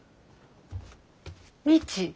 未知。